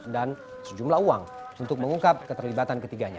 dan sejumlah uang untuk mengungkap keterlibatan ketiganya